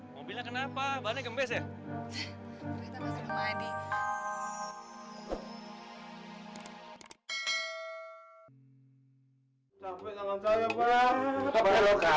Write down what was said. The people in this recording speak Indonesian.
mobilnya kenapa bahannya gembes ya